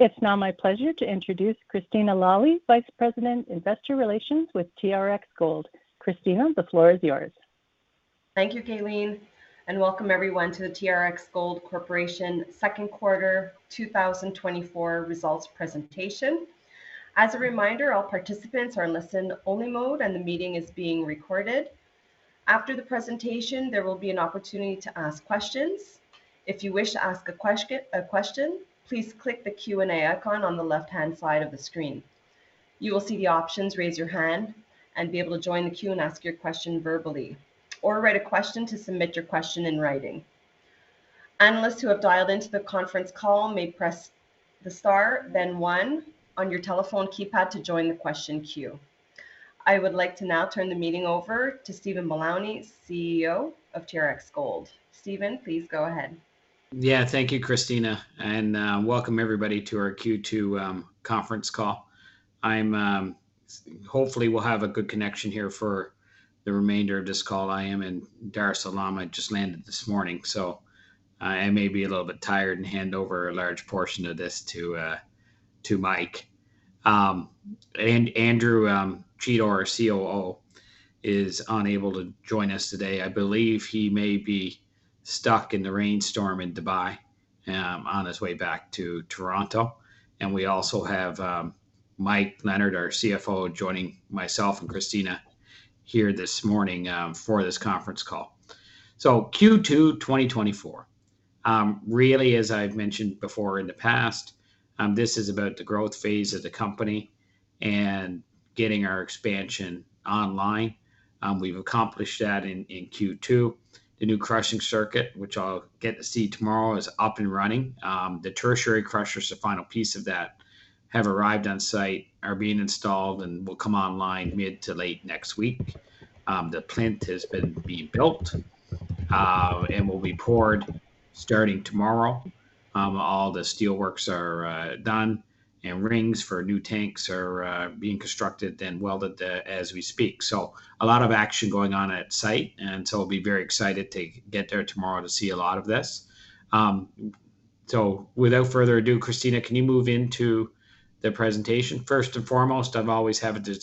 It's now my pleasure to introduce Christina Lalli, Vice President, Investor Relations with TRX Gold. Christina, the floor is yours. Thank you, Kayleen, and welcome everyone to the TRX Gold Corporation second quarter 2024 results presentation. As a reminder, all participants are in listen-only mode, and the meeting is being recorded. After the presentation, there will be an opportunity to ask questions. If you wish to ask a question, please click the Q&A icon on the left-hand side of the screen. You will see the options, raise your hand, and be able to join the queue and ask your question verbally, or write a question to submit your question in writing. Analysts who have dialed into the conference call may press the star, then one on your telephone keypad to join the question queue. I would like to now turn the meeting over to Stephen Mullowney, CEO of TRX Gold. Steven, please go ahead. Yeah. Thank you, Christina, and welcome everybody to our Q2 conference call. I hope we'll have a good connection here for the remainder of this call. I am in Dar es Salaam. I just landed this morning, so I may be a little bit tired and hand over a large portion of this to Mike. And Andrew Cheatle, our COO, is unable to join us today. I believe he may be stuck in the rainstorm in Dubai on his way back to Toronto. And we also have Mike Leonard, our CFO, joining myself and Christina here this morning for this conference call. So Q2 2024 really, as I've mentioned before in the past, this is about the growth phase of the company and getting our expansion online. We've accomplished that in Q2. The new crushing circuit, which I'll get to see tomorrow, is up and running. The tertiary crushers, the final piece of that, have arrived on site, are being installed, and will come online mid to late next week. The plant has been being built, and will be poured starting tomorrow. All the steelworks are done, and rings for new tanks are being constructed and welded as we speak. So a lot of action going on at site, and so I'll be very excited to get there tomorrow to see a lot of this. So without further ado, Christina, can you move into the presentation? First and foremost, I've always have a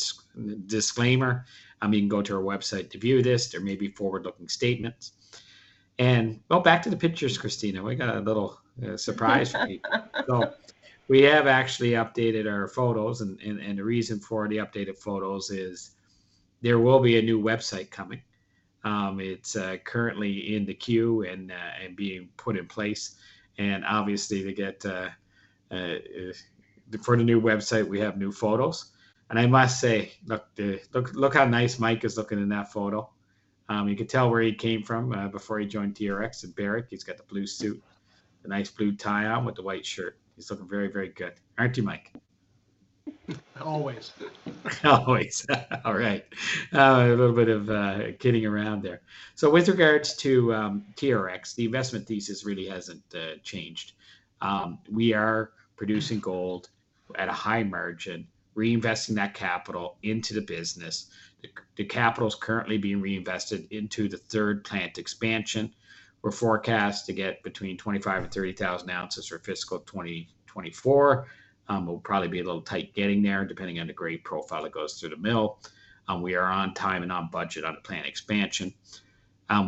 disclaimer. I mean, go to our website to view this. There may be forward-looking statements. Oh, back to the pictures, Christina. We got a little surprise for you. So we have actually updated our photos, and the reason for the updated photos is there will be a new website coming. It's currently in the queue and being put in place. And obviously, to get for the new website, we have new photos. And I must say, look how nice Mike is looking in that photo. You could tell where he came from before he joined TRX at Barrick. He's got the blue suit, the nice blue tie on with the white shirt. He's looking very, very good, aren't you, Mike? Always. Always. All right, a little bit of kidding around there. So with regards to TRX, the investment thesis really hasn't changed. We are producing gold at a high margin, reinvesting that capital into the business. The, the capital is currently being reinvested into the third plant expansion. We're forecast to get between 25,000 and 30,000 ounces for fiscal 2024. We'll probably be a little tight getting there, depending on the grade profile that goes through the mill. We are on time and on budget on the plant expansion.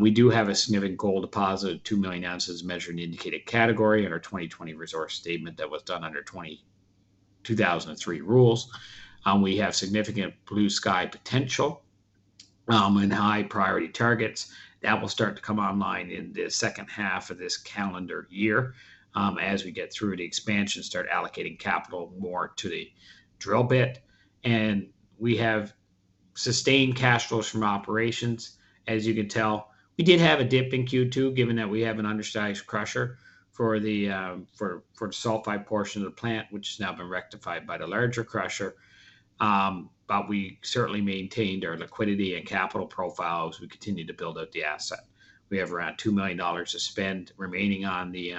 We do have a significant gold deposit of 2 million ounces measured and indicated category in our 2020 resource statement that was done under 2003 rules. We have significant blue-sky potential, and high-priority targets that will start to come online in the second half of this calendar year, as we get through the expansion, start allocating capital more to the drill bit. And we have sustained cash flows from operations, as you can tell. We did have a dip in Q2, given that we have an undersized crusher for the sulfide portion of the plant, which has now been rectified by the larger crusher. But we certainly maintained our liquidity and capital profile as we continued to build out the asset. We have around $2 million to spend remaining on the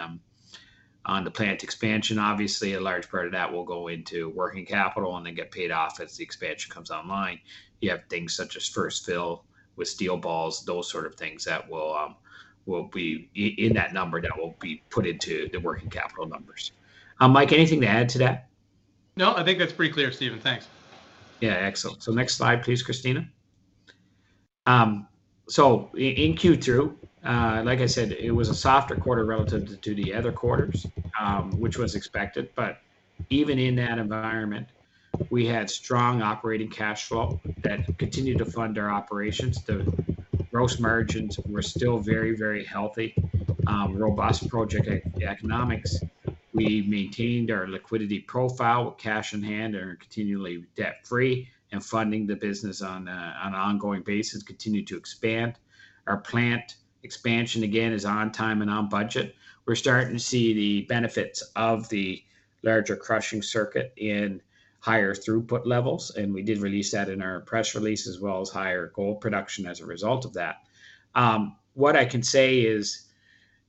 plant expansion. Obviously, a large part of that will go into working capital and then get paid off as the expansion comes online. You have things such as first fill with steel balls, those sort of things that will, will be in that number, that will be put into the working capital numbers. Mike, anything to add to that? No, I think that's pretty clear, Steven. Thanks. Yeah, excellent. So next slide, please, Christina. So in Q2, like I said, it was a softer quarter relative to the other quarters, which was expected. But even in that environment, we had strong operating cash flow that continued to fund our operations. The gross margins were still very, very healthy. Robust project economics. We maintained our liquidity profile with cash in hand and are continually debt-free and funding the business on an ongoing basis, continued to expand. Our plant expansion, again, is on time and on budget. We're starting to see the benefits of the larger crushing circuit in higher throughput levels, and we did release that in our press release, as well as higher gold production as a result of that. What I can say is,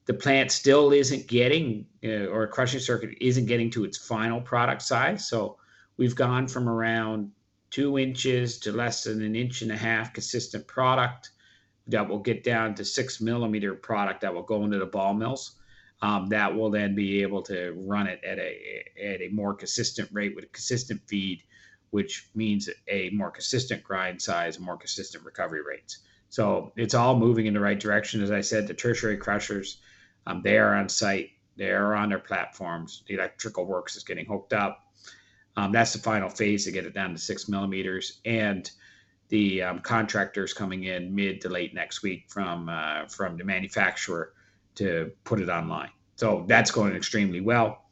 the plant still isn't getting, or crushing circuit isn't getting to its final product size. So we've gone from around 2 inches to less than 1.5 inches consistent product that will get down to 6-millimeter product that will go into the ball mills, that will then be able to run it at a more consistent rate with a consistent feed, which means a more consistent grind size, more consistent recovery rates. So it's all moving in the right direction. As I said, the tertiary crushers, they are on site, they are on their platforms. The electrical works is getting hooked up. That's the final phase to get it down to 6 millimeters, and the contractor's coming in mid to late next week from the manufacturer to put it online. So that's going extremely well.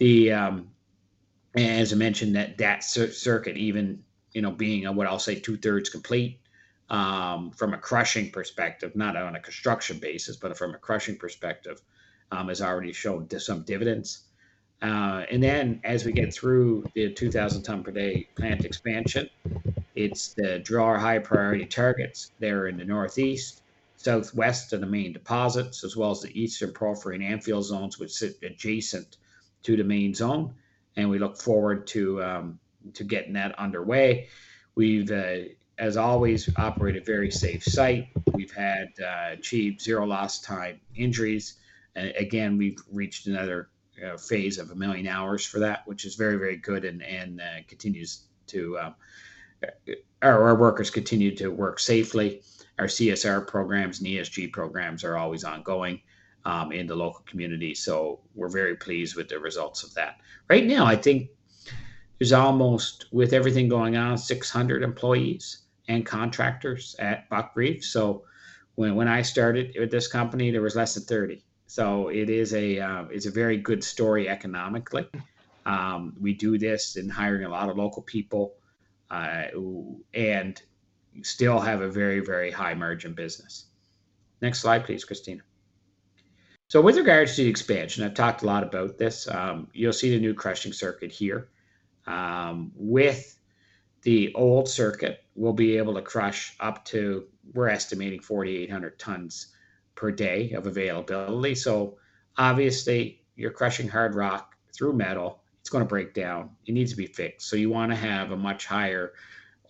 And as I mentioned, that crushing circuit even, you know, being at what I'll say two-thirds complete, from a crushing perspective, not on a construction basis, but from a crushing perspective, has already shown some dividends. And then as we get through the 2,000 ton per day plant expansion, it's to drill our high priority targets there in the Northeast, Southwest of the main deposits, as well as the Eastern Porphyry and Anfield zones, which sit adjacent to the Main Zone, and we look forward to getting that underway. We've, as always, operate a very safe site. We've achieved 0 lost time injuries, and again, we've reached another phase of 1 million hours for that, which is very, very good and continues to... Our workers continue to work safely. Our CSR programs and ESG programs are always ongoing in the local community, so we're very pleased with the results of that. Right now, I think there's almost, with everything going on, 600 employees and contractors at Buckreef. So when I started with this company, there was less than 30. So it is a, it's a very good story economically. We do this in hiring a lot of local people and still have a very, very high margin business. Next slide please, Christina. So with regards to the expansion, I've talked a lot about this, you'll see the new crushing circuit here. With the old circuit, we'll be able to crush up to, we're estimating 4,800 tons per day of availability. So obviously, you're crushing hard rock through metal; it's gonna break down, it needs to be fixed. So you wanna have a much higher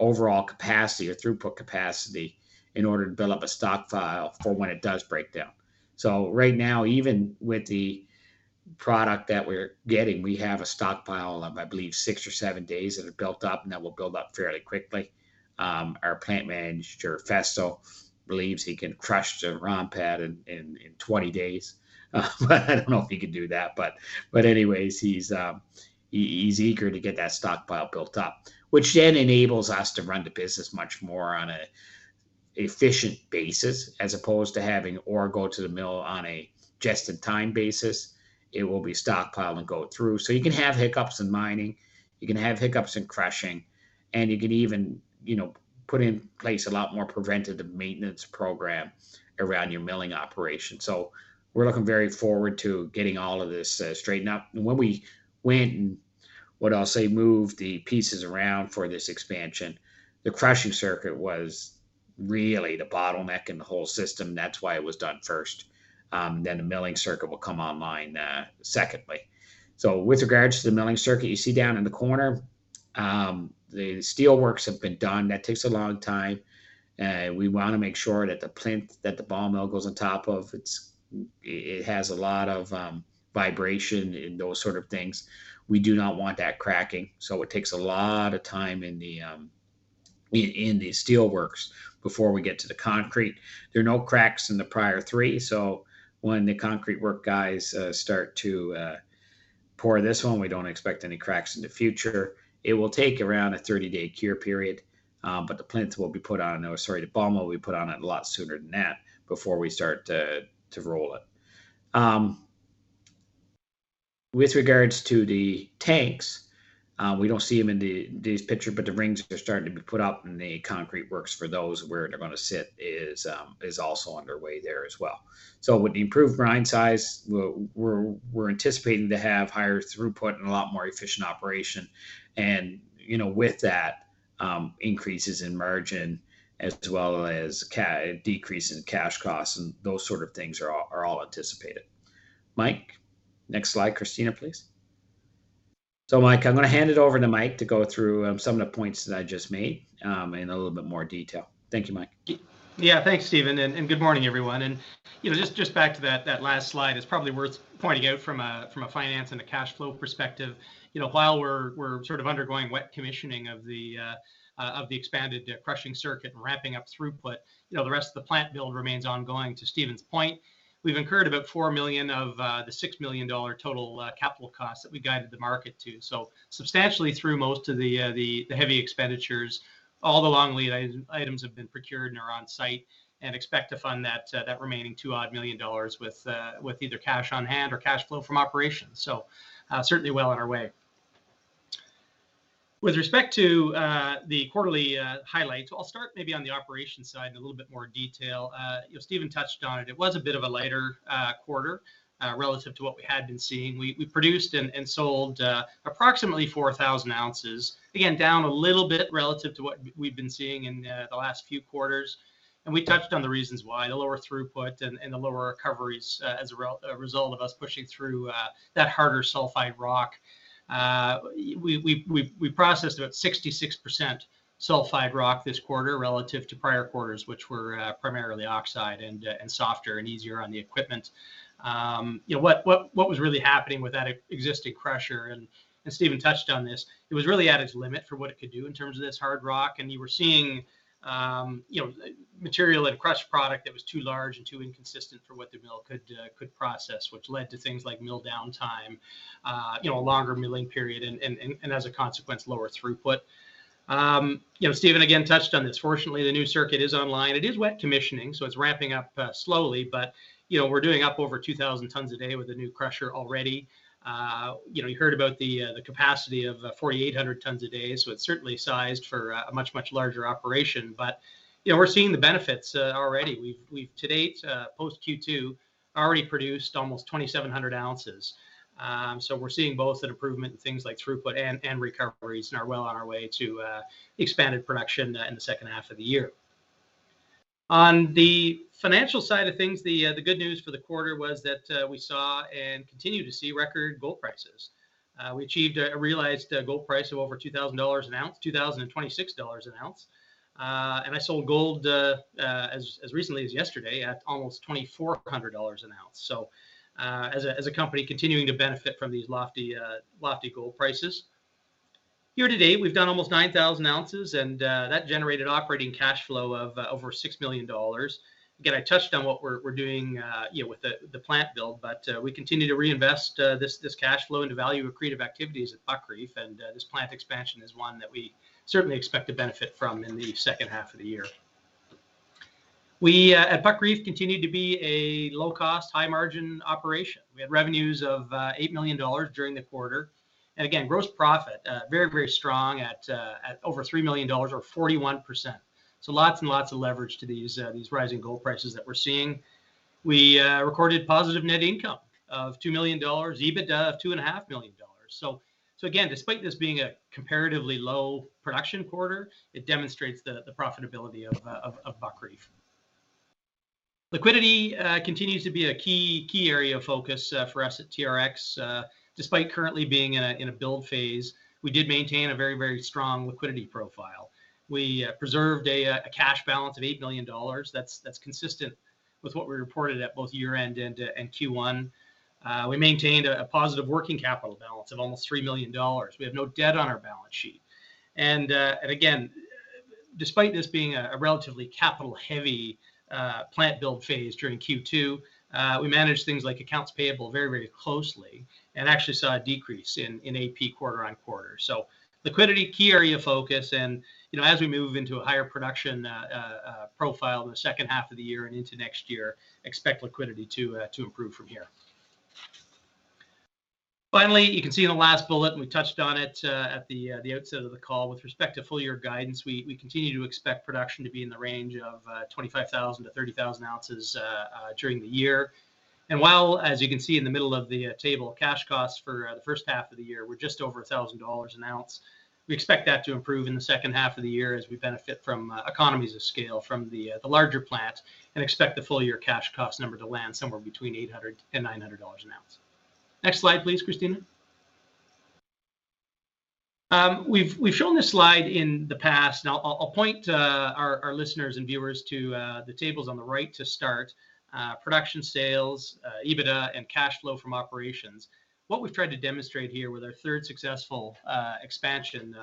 overall capacity or throughput capacity in order to build up a stockpile for when it does break down. So right now, even with the product that we're getting, we have a stockpile of, I believe, 6 or 7 days that have built up, and that will build up fairly quickly. Our plant manager, Festo, believes he can crush the ROM pad in 20 days, but I don't know if he can do that. But anyways, he's eager to get that stockpile built up, which then enables us to run the business much more on a efficient basis, as opposed to having ore go to the mill on a just-in-time basis. It will be stockpiled and go through. So you can have hiccups in mining, you can have hiccups in crushing, and you can even, you know, put in place a lot more preventative maintenance program around your milling operation. So we're looking very forward to getting all of this straightened out. And when we went and, what I'll say, moved the pieces around for this expansion, the crushing circuit was really the bottleneck in the whole system. That's why it was done first. Then the milling circuit will come online secondly. So with regards to the milling circuit, you see down in the corner, the steelworks have been done. That takes a long time, we wanna make sure that the plinth that the ball mill goes on top of, it's, it has a lot of vibration and those sort of things. We do not want that cracking, so it takes a lot of time in the steelworks before we get to the concrete. There are no cracks in the prior three, so when the concrete work guys start to pour this one, we don't expect any cracks in the future. It will take around a 30-day cure period, but the plinth will be put on, or sorry, the ball mill will be put on it a lot sooner than that before we start to roll it. With regards to the tanks, we don't see them in these picture, but the rings are starting to be put up, and the concrete works for those where they're gonna sit is also underway there as well. So with the improved grind size, we're anticipating to have higher throughput and a lot more efficient operation and, you know, with that, increases in margin as well as decrease in cash costs and those sort of things are all anticipated. Mike, next slide, Christina, please. So Mike, I'm gonna hand it over to Mike to go through some of the points that I just made in a little bit more detail. Thank you, Mike. Yeah, thanks, Steven, and good morning, everyone. You know, just back to that last slide, it's probably worth pointing out from a finance and a cash flow perspective, you know, while we're sort of undergoing wet commissioning of the expanded crushing circuit and ramping up throughput, you know, the rest of the plant build remains ongoing, to Steven's point. We've incurred about $4 million of the $6 million total capital costs that we guided the market to. So substantially through most of the heavy expenditures, all the long lead items have been procured and are on site, and expect to fund that remaining $2-odd million with either cash on hand or cash flow from operations. So, certainly well on our way. With respect to the quarterly highlights, I'll start maybe on the operations side in a little bit more detail. You know, Steven touched on it. It was a bit of a lighter quarter relative to what we had been seeing. We produced and sold approximately 4,000 ounces. Again, down a little bit relative to what we've been seeing in the last few quarters, and we touched on the reasons why: the lower throughput and the lower recoveries as a result of us pushing through that harder sulfide rock. We processed about 66% sulfide rock this quarter relative to prior quarters, which were primarily oxide and softer and easier on the equipment. You know, what was really happening with that existing crusher, and Steven touched on this, it was really at its limit for what it could do in terms of this hard rock. And you were seeing, you know, material and crush product that was too large and too inconsistent for what the mill could process, which led to things like mill downtime, you know, a longer milling period and as a consequence, lower throughput. You know, Steven again touched on this. Fortunately, the new circuit is online. It is wet commissioning, so it's ramping up slowly, but, you know, we're doing up over 2,000 tons a day with the new crusher already. You know, you heard about the capacity of 4,800 tons a day, so it's certainly sized for a much larger operation. But, you know, we're seeing the benefits already. We've to date post Q2 already produced almost 2,700 ounces. So we're seeing both an improvement in things like throughput and recoveries, and are well on our way to expanded production in the second half of the year. On the financial side of things, the good news for the quarter was that we saw and continue to see record gold prices. We achieved a realized gold price of over $2,000 an ounce, $2,026 an ounce. And I sold gold as recently as yesterday at almost $2,400 an ounce. So, as a company continuing to benefit from these lofty, lofty gold prices. Year to date, we've done almost 9,000 ounces, and that generated operating cash flow of over $6 million. Again, I touched on what we're doing, you know, with the plant build, but we continue to reinvest this cash flow into value accretive activities at Buckreef, and this plant expansion is one that we certainly expect to benefit from in the second half of the year. We at Buckreef continue to be a low-cost, high-margin operation. We had revenues of $8 million during the quarter. And again, gross profit very, very strong at over $3 million or 41%. So lots and lots of leverage to these, these rising gold prices that we're seeing. We recorded positive net income of $2 million, EBITDA of $2.5 million. So again, despite this being a comparatively low production quarter, it demonstrates the profitability of Buckreef. Liquidity continues to be a key area of focus for us at TRX. Despite currently being in a build phase, we did maintain a very strong liquidity profile. We preserved a cash balance of $8 million. That's consistent with what we reported at both year-end and Q1. We maintained a positive working capital balance of almost $3 million. We have no debt on our balance sheet. Again, despite this being a relatively capital-heavy plant build phase during Q2, we managed things like accounts payable very closely and actually saw a decrease in AP quarter-over-quarter. So liquidity, key area of focus, and, you know, as we move into a higher production profile in the second half of the year and into next year, expect liquidity to improve from here. Finally, you can see in the last bullet, and we touched on it at the outset of the call, with respect to full year guidance, we continue to expect production to be in the range of 25,000-30,000 ounces during the year. While, as you can see in the middle of the table, cash costs for the first half of the year were just over $1,000 an ounce, we expect that to improve in the second half of the year as we benefit from economies of scale from the larger plant and expect the full-year cash costs number to land somewhere between $800 and $900 an ounce. Next slide, please, Christina. We've shown this slide in the past. Now I'll point our listeners and viewers to the tables on the right to start, production sales, EBITDA, and cash flow from operations. What we've tried to demonstrate here with our third successful expansion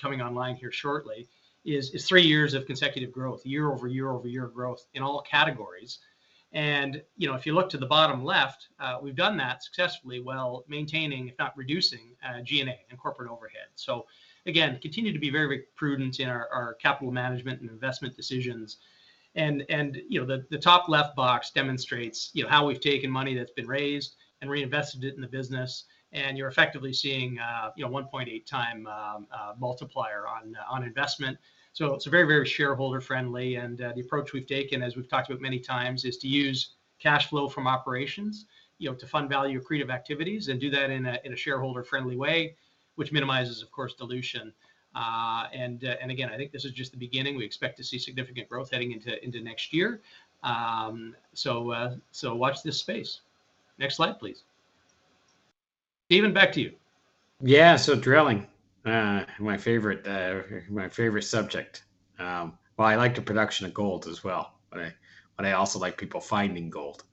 coming online here shortly is three years of consecutive growth, year over year over year growth in all categories. You know, if you look to the bottom left, we've done that successfully while maintaining, if not reducing, G&A and corporate overhead. So again, continue to be very, very prudent in our capital management and investment decisions. And you know, the top left box demonstrates you know, how we've taken money that's been raised and reinvested it in the business, and you're effectively seeing you know, 1.8x multiplier on investment. So it's very, very shareholder-friendly, and the approach we've taken, as we've talked about many times, is to use cash flow from operations, you know, to fund value accretive activities and do that in a, in a shareholder-friendly way, which minimizes, of course, dilution. And again, I think this is just the beginning. We expect to see significant growth heading into next year. So watch this space. Next slide, please. Steven, back to you. Yeah, so drilling, my favorite, my favorite subject. Well, I like the production of gold as well, but I, but I also like people finding gold.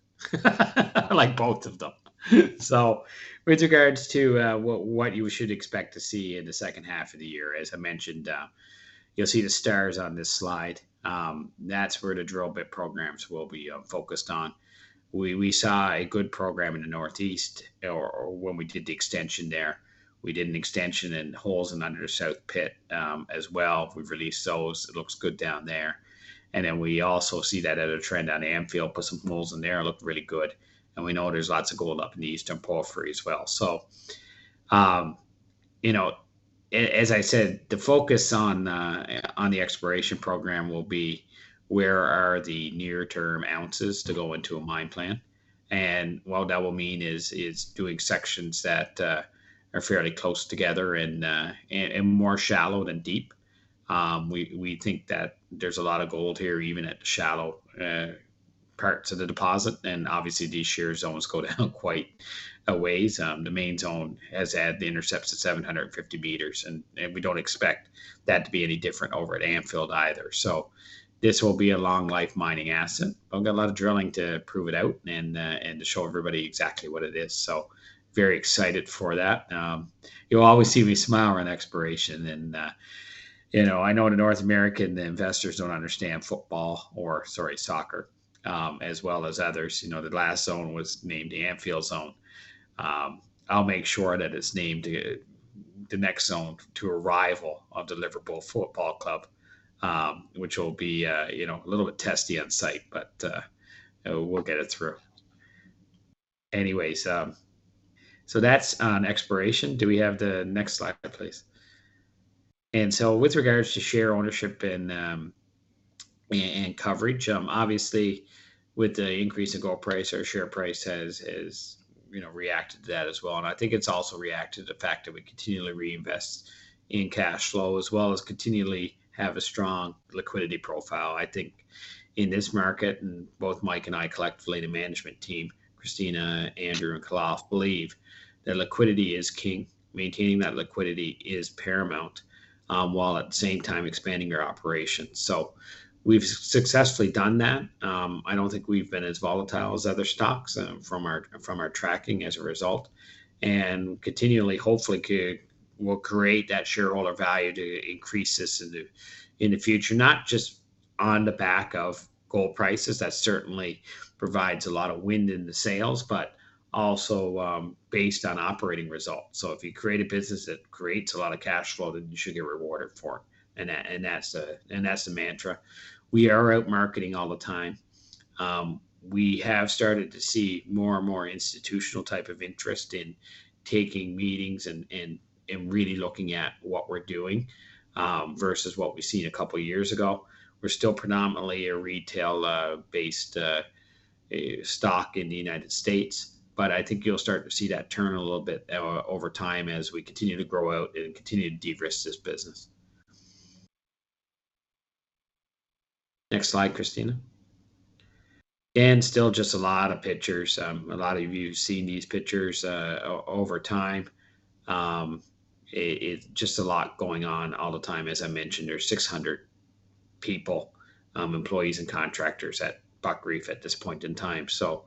I like both of them. So with regards to, what, what you should expect to see in the second half of the year, as I mentioned, you'll see the stars on this slide. That's where the drill bit programs will be, focused on. We saw a good program in the Northeast, or when we did the extension there. We did an extension in holes and under the South Pit, as well. We've released those. It looks good down there. And then we also see that at a trend on Anfield, put some holes in there, it looked really good. And we know there's lots of gold up in the Eastern Porphyry as well. So, you know, as I said, the focus on the exploration program will be where are the near-term ounces to go into a mine plan? And what that will mean is doing sections that are fairly close together and more shallow than deep. We think that there's a lot of gold here, even at shallow parts of the deposit, and obviously, these shear zones go down quite a ways. The Main Zone has had the intercepts at 750 meters, and we don't expect that to be any different over at Anfield either. So this will be a long-life mining asset. I've got a lot of drilling to prove it out and to show everybody exactly what it is, so very excited for that. You'll always see me smile on exploration then, you know, I know the North American investors don't understand football or, sorry, soccer, as well as others. You know, the last zone was named Anfield Zone. I'll make sure that it's named the next zone to a rival of the Liverpool Football Club, which will be, you know, a little bit testy on site, but we'll get it through. Anyways, so that's on exploration. Do we have the next slide, please? And so with regards to share ownership and coverage, obviously, with the increase in gold price, our share price has, you know, reacted to that as well, and I think it's also reacted to the fact that we continually reinvest in cash flow, as well as continually have a strong liquidity profile. I think in this market, and both Mike and I collectively, the management team, Christina, Andrew, and Khalaf, believe that liquidity is king. Maintaining that liquidity is paramount, while at the same time expanding our operations. We've successfully done that. I don't think we've been as volatile as other stocks, from our tracking as a result, and continually, hopefully, we'll create that shareholder value to increase this in the future, not just on the back of gold prices, that certainly provides a lot of wind in the sails, but also, based on operating results. If you create a business that creates a lot of cash flow, then you should get rewarded for it, and that, and that's the, and that's the mantra. We are out marketing all the time. We have started to see more and more institutional type of interest in taking meetings and really looking at what we're doing, versus what we've seen a couple of years ago. We're still predominantly a retail based stock in the United States, but I think you'll start to see that turn a little bit over time as we continue to grow out and continue to de-risk this business. Next slide, Christina. Still just a lot of pictures. A lot of you have seen these pictures over time. It's just a lot going on all the time. As I mentioned, there's 600 people, employees and contractors at Buckreef at this point in time, so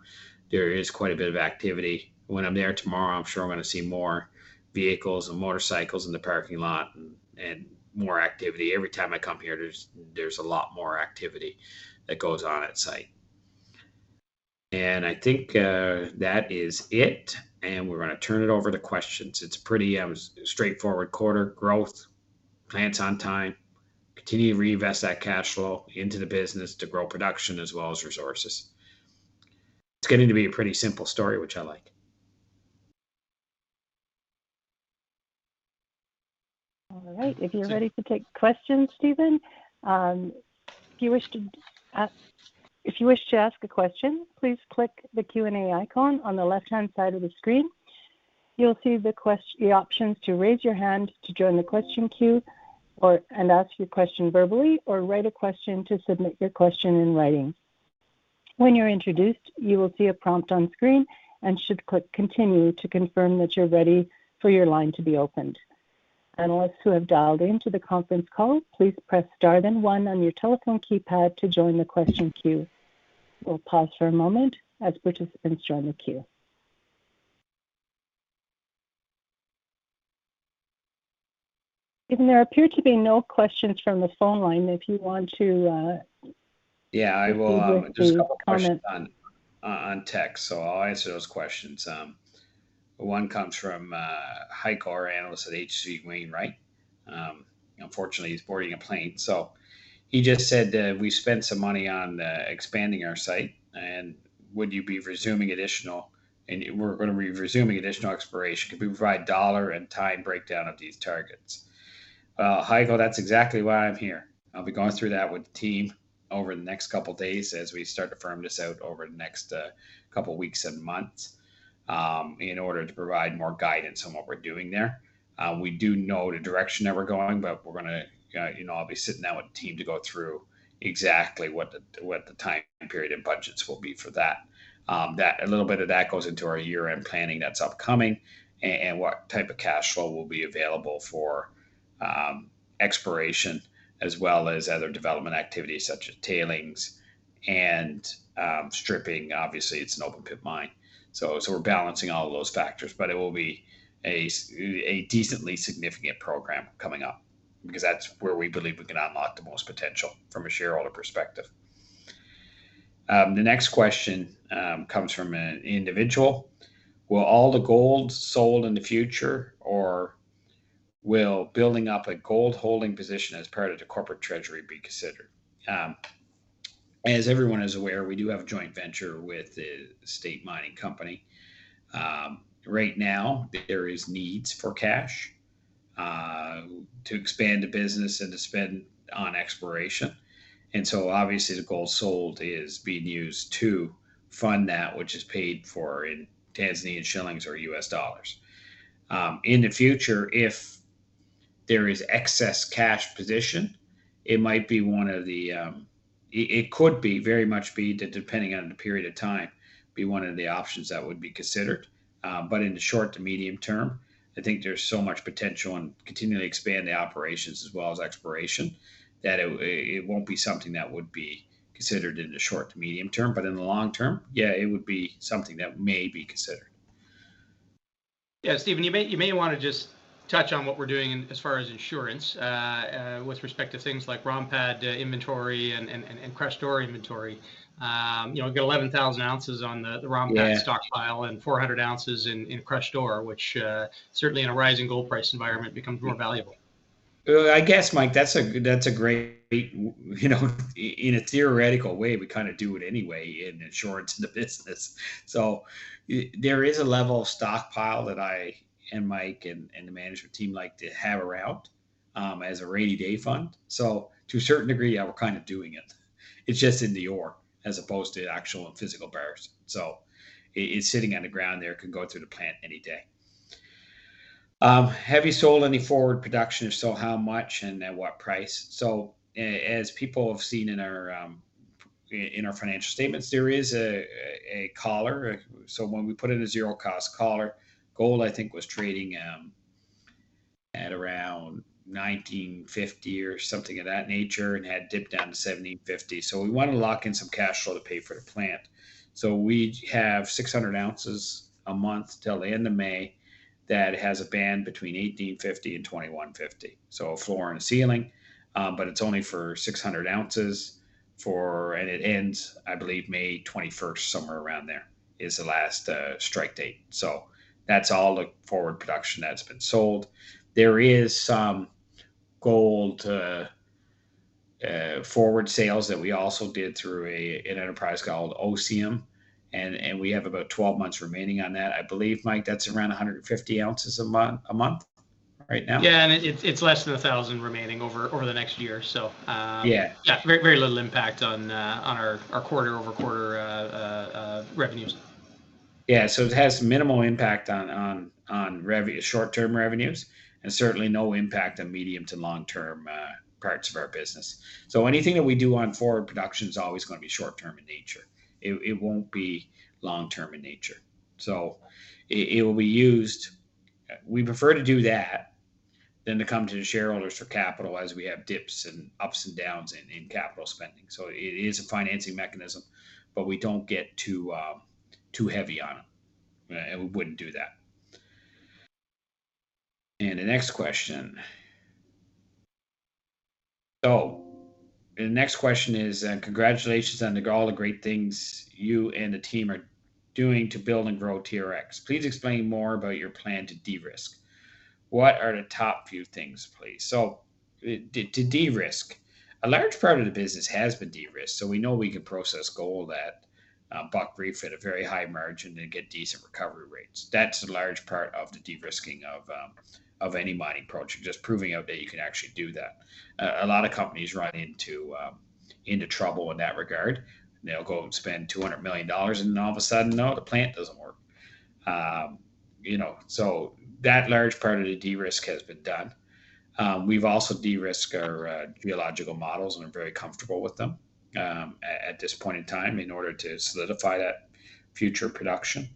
there is quite a bit of activity. When I'm there tomorrow, I'm sure I'm gonna see more vehicles and motorcycles in the parking lot and more activity. Every time I come here, there's a lot more activity that goes on at site. And I think that is it, and we're gonna turn it over to questions. It's pretty straightforward quarter, growth, plans on time, continue to reinvest that cash flow into the business to grow production as well as resources. It's getting to be a pretty simple story, which I like. All right. If you're ready to take questions, Steven, if you wish to ask a question, please click the Q&A icon on the left-hand side of the screen. You'll see the options to raise your hand to join the question queue or ask your question verbally, or write a question to submit your question in writing. When you're introduced, you will see a prompt on screen and should click Continue to confirm that you're ready for your line to be opened. Analysts who have dialed in to the conference call, please press Star then One on your telephone keypad to join the question queue. We'll pause for a moment as participants join the queue. Steven, there appear to be no questions from the phone line if you want to. Yeah, I will. Leave it to comment.... Just a couple of questions on text, so I'll answer those questions. One comes from Heiko, our analyst at H.C. Wainwright. Unfortunately, he's boarding a plane. So he just said that we spent some money on expanding our site, and would you be resuming additional... And we're gonna be resuming additional exploration. Could we provide dollar and time breakdown of these targets? Heiko, that's exactly why I'm here. I'll be going through that with the team over the next couple of days as we start to firm this out over the next couple of weeks and months, in order to provide more guidance on what we're doing there. We do know the direction that we're going, but we're gonna, you know, I'll be sitting down with the team to go through exactly what the, what the time period and budgets will be for that. That, a little bit of that goes into our year-end planning that's upcoming, and what type of cash flow will be available for exploration, as well as other development activities such as tailings and stripping. Obviously, it's an open pit mine. So, so we're balancing all of those factors, but it will be a decently significant program coming up because that's where we believe we can unlock the most potential from a shareholder perspective. The next question comes from an individual: Will all the gold sold in the future, or will building up a gold holding position as part of the corporate treasury be considered? As everyone is aware, we do have a joint venture with the State Mining Corporation. Right now, there is needs for cash to expand the business and to spend on exploration. So obviously the gold sold is being used to fund that, which is paid for in Tanzanian shillings or U.S. dollars. In the future, if there is excess cash position, it might be one of the, it could very much be depending on the period of time, one of the options that would be considered. But in the short to medium term, I think there's so much potential and continually expand the operations as well as exploration, that it won't be something that would be considered in the short to medium term. But in the long term, yeah, it would be something that may be considered. Yeah, Steven, you may, you may wanna just touch on what we're doing as far as insurance with respect to things like ROM pad inventory, and crushed ore inventory. You know, we've got 11,000 ounces on the- Yeah... the ROM pad stockpile and 400 ounces in crushed ore, which certainly in a rising gold price environment, becomes more valuable. I guess, Mike, that's a great way, you know, in a theoretical way, we kinda do it anyway, in insurance in the business. So there is a level of stockpile that I, and Mike, and the management team like to have around, as a rainy day fund. So to a certain degree, yeah, we're kinda doing it. It's just in the ore as opposed to actual and physical bars. So it, it's sitting on the ground there, could go through the plant any day. "Have you sold any forward production? If so, how much, and at what price?" So, as people have seen in our, in our financial statements, there is a collar. So when we put in a zero cost collar, gold, I think, was trading at around $1,950 or something of that nature, and had dipped down to $1,750. So we wanted to lock in some cash flow to pay for the plant. So we have 600 ounces a month till the end of May that has a band between $1,850 and $2,150, so a floor and a ceiling. But it's only for 600 ounces... And it ends, I believe, May 21st, somewhere around there, is the last strike date. So that's all the forward production that's been sold. There is some gold forward sales that we also did through an enterprise called OCIM, and we have about 12 months remaining on that. I believe, Mike, that's around 150 ounces a month right now? Yeah, and it's less than 1,000 remaining over the next year, so, Yeah... Yeah, very, very little impact on our quarter-over-quarter revenues. Yeah, so it has minimal impact on short-term revenues, and certainly no impact on medium to long-term parts of our business. So anything that we do on forward production is always gonna be short term in nature. It won't be long term in nature. So it will be used. We prefer to do that than to come to the shareholders for capital as we have dips and ups and downs in capital spending. So it is a financing mechanism, but we don't get too heavy on it. And we wouldn't do that. And the next question. So, the next question is, "Congratulations on all the great things you and the team are doing to build and grow TRX. Please explain more about your plan to de-risk. What are the top few things, please?" So, to de-risk, a large part of the business has been de-risked, so we know we can process gold at Buckreef at a very high margin and get decent recovery rates. That's a large part of the de-risking of any mining project, just proving out that you can actually do that. A lot of companies run into trouble in that regard. They'll go and spend $200 million, and all of a sudden, "No, the plant doesn't work." You know, so that large part of the de-risk has been done. We've also de-risked our geological models and are very comfortable with them at this point in time, in order to solidify that future production.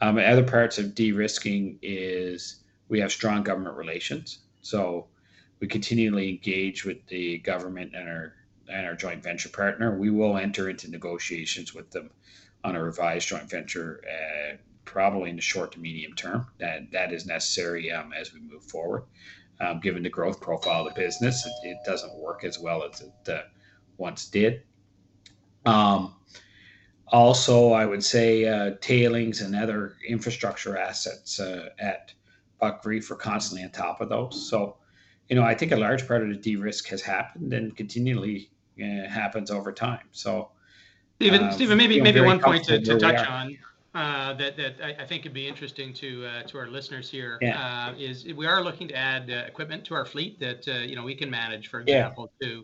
Other parts of de-risking is we have strong government relations, so we continually engage with the government and our joint venture partner. We will enter into negotiations with them on a revised joint venture, probably in the short to medium term. That is necessary, as we move forward. Given the growth profile of the business, it doesn't work as well as it once did. Also, I would say, tailings and other infrastructure assets at Buckreef, we're constantly on top of those. So, you know, I think a large part of the de-risk has happened and continually happens over time, so, Steven, Steven, maybe- Feel very comfortable where we are.... maybe one point to touch on that I think would be interesting to our listeners here- Yeah... is we are looking to add, equipment to our fleet that, you know, we can manage, for example- Yeah...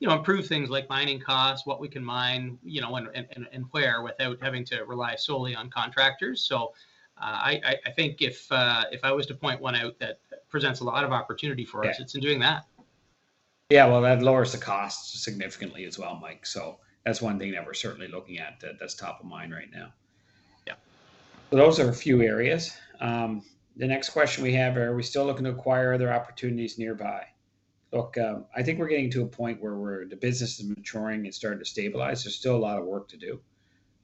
to, you know, improve things like mining costs, what we can mine, you know, and where, without having to rely solely on contractors. So, I think if, if I was to point one out that presents a lot of opportunity for us- Yeah... it's in doing that. Yeah, well, that lowers the costs significantly as well, Mike. So that's one thing that we're certainly looking at, that, that's top of mind right now. Yeah. Those are a few areas. The next question we have: "Are we still looking to acquire other opportunities nearby?" Look, I think we're getting to a point where we're the business is maturing and starting to stabilize. There's still a lot of work to do.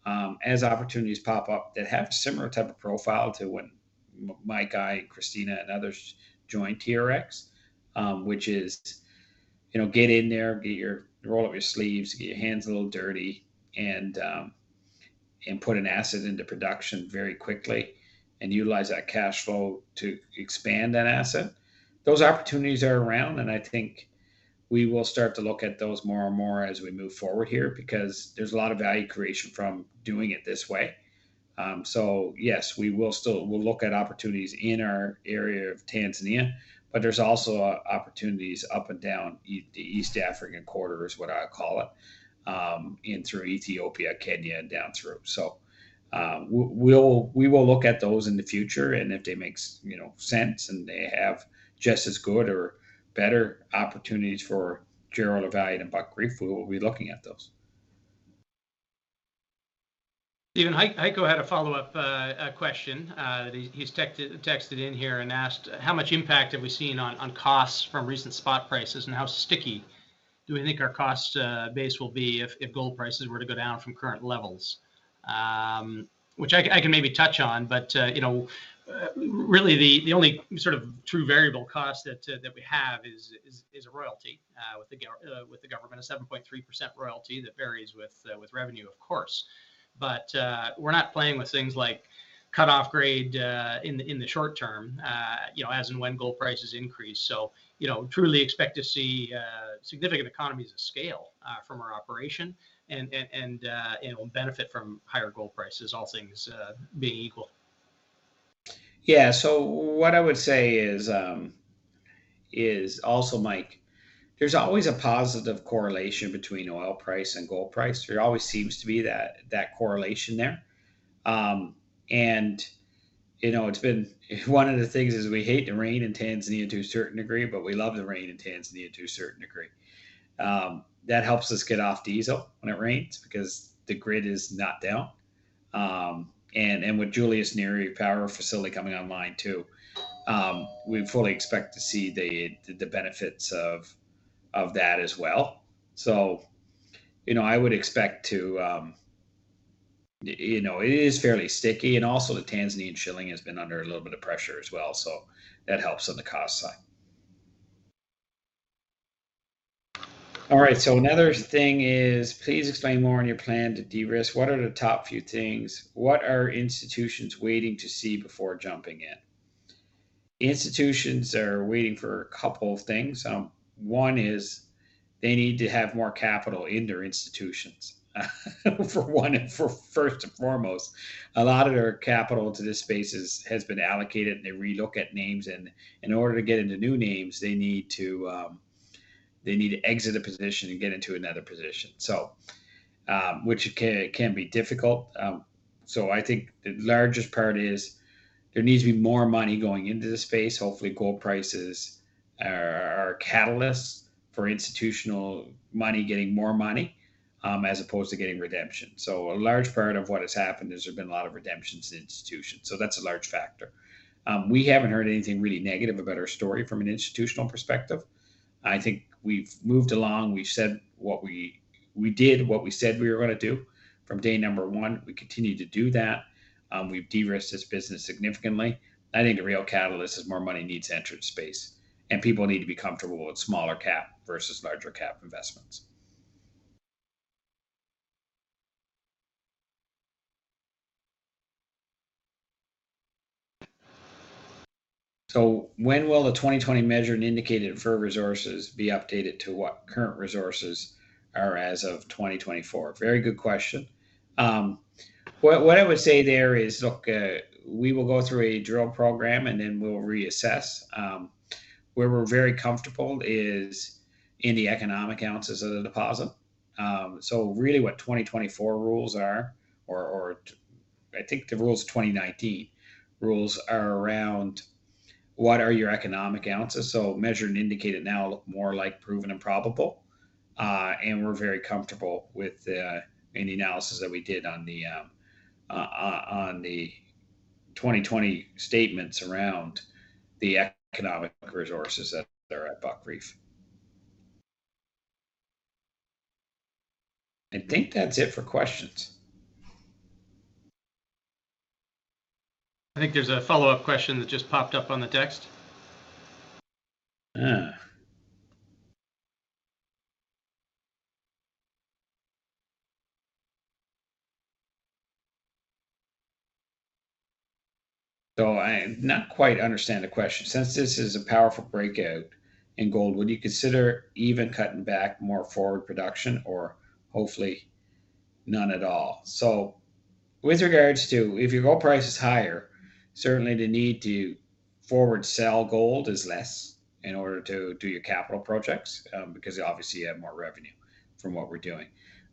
As opportunities pop up that have a similar type of profile to when Mike, I, Christina, and others joined TRX, which is, you know, get in there, roll up your sleeves, get your hands a little dirty, and put an asset into production very quickly, and utilize that cash flow to expand that asset. Those opportunities are around, and I think we will start to look at those more and more as we move forward here, because there's a lot of value creation from doing it this way. So yes, we will still—we'll look at opportunities in our area of Tanzania, but there's also opportunities up and down the East African corridor, is what I call it, in through Ethiopia, Kenya, and down through. So we'll look at those in the future, and if they makes, you know, sense and they have just as good or better opportunities for general value than Buckreef, we will be looking at those. Steven, Heiko had a follow-up question that he has texted in here and asked, "How much impact have we seen on costs from recent spot prices, and how sticky do we think our cost base will be if gold prices were to go down from current levels?" Which I can maybe touch on, but you know, really, the only sort of true variable cost that we have is a royalty with the government, a 7.3% royalty that varies with revenue, of course. But we're not playing with things like cut-off grade in the short term, you know, as and when gold prices increase. So, you know, truly expect to see significant economies of scale from our operation, and it will benefit from higher gold prices, all things being equal. Yeah, so what I would say is, is also, Mike, there's always a positive correlation between oil price and gold price. There always seems to be that, that correlation there. And, you know, it's been... One of the things is we hate the rain in Tanzania to a certain degree, but we love the rain in Tanzania to a certain degree. That helps us get off diesel when it rains, because the grid is not down. And, with Julius Nyerere power facility coming online too, we fully expect to see the, the benefits of, of that as well. So, you know, I would expect to, you know, it is fairly sticky, and also the Tanzanian shilling has been under a little bit of pressure as well, so that helps on the cost side. All right, so another thing is, "Please explain more on your plan to de-risk. What are the top few things? What are institutions waiting to see before jumping in?" Institutions are waiting for a couple of things. One is, they need to have more capital in their institutions, for one and for first and foremost. A lot of their capital to this space has been allocated, and they re-look at names, and in order to get into new names, they need to, they need to exit a position and get into another position. So, which can be difficult. So I think the largest part is, there needs to be more money going into the space. Hopefully, gold prices are catalysts for institutional money getting more money, as opposed to getting redemption. So a large part of what has happened is there's been a lot of redemptions in institutions, so that's a large factor. We haven't heard anything really negative about our story from an institutional perspective. I think we've moved along. We've said what we... We did what we said we were gonna do from day number 1. We continue to do that. We've de-risked this business significantly. I think the real catalyst is more money needs to enter the space, and people need to be comfortable with smaller cap versus larger cap investments. So when will the 2020 measured and indicated for resources be updated to what current resources are as of 2024? Very good question. What, what I would say there is, look, we will go through a drill program, and then we'll reassess. Where we're very comfortable is in the economic ounces of the deposit. So really what 2024 rules are, or I think the rules, 2019 rules, are around what are your economic ounces? So measured and indicated now look more like proven and probable, and we're very comfortable with any analysis that we did on the 2020 statements around the economic resources that are at Buckreef. I think that's it for questions. I think there's a follow-up question that just popped up on the text. So I not quite understand the question: Since this is a powerful breakout in gold, would you consider even cutting back more forward production or hopefully none at all? So with regards to if your gold price is higher, certainly the need to forward sell gold is less in order to do your capital projects, because obviously you have more revenue from what we're doing.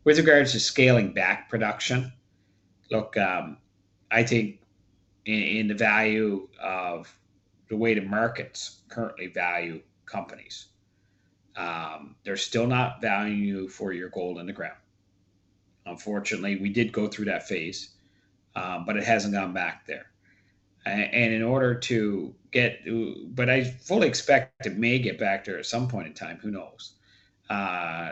With regards to scaling back production, look, I think in the value of the way the markets currently value companies, they're still not valuing you for your gold in the ground. Unfortunately, we did go through that phase, but it hasn't gone back there. And in order to get to... But I fully expect it may get back there at some point in time, who knows?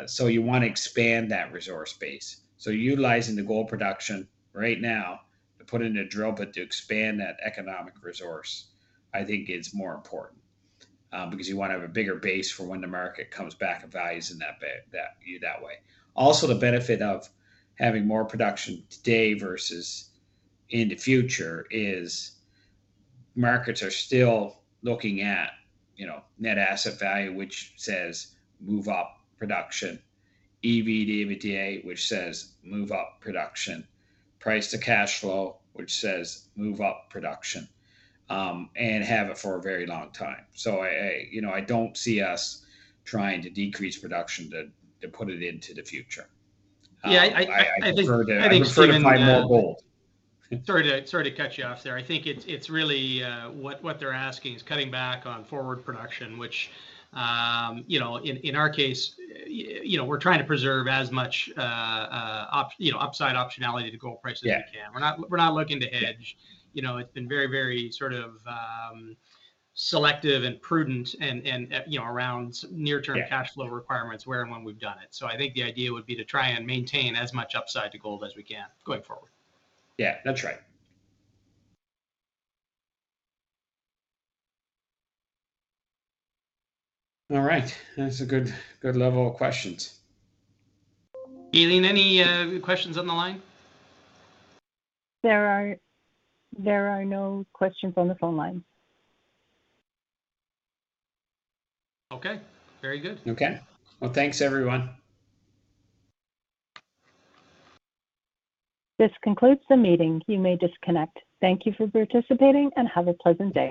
So you wanna expand that resource base. So utilizing the gold production right now to put it into a drill bit to expand that economic resource, I think is more important, because you wanna have a bigger base for when the market comes back and values in that base, that you know that way. Also, the benefit of having more production today versus in the future is, markets are still looking at, you know, net asset value, which says, "Move up production," EV to EBITDA, which says, "Move up production," price to cash flow, which says, "Move up production," and have it for a very long time. So I, I, you know, I don't see us trying to decrease production to, to put it into the future. Yeah, I think-... I prefer to- I think, Steven, I prefer to find more gold. Sorry to cut you off there. I think it's really what they're asking is cutting back on forward production, which, you know, in our case, you know, we're trying to preserve as much, you know, upside optionality to gold price as we can. Yeah. We're not, we're not looking to hedge. You know, it's been very, very sort of, selective and prudent and, and, you know, around s- Yeah... near-term cash flow requirements where and when we've done it. So I think the idea would be to try and maintain as much upside to gold as we can going forward. Yeah, that's right. All right, that's a good, good level of questions. Kayleen, any questions on the line? There are no questions on the phone line. Okay, very good. Okay. Well, thanks, everyone. This concludes the meeting. You may disconnect. Thank you for participating, and have a pleasant day.